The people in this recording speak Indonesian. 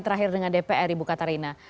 terakhir dengan dpr ibu katarina